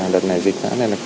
lần này dịch